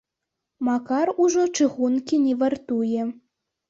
Макар ужо чыгункі не вартуе.